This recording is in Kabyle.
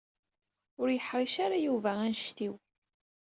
Ur yeḥṛic ara Yuba annect-iw.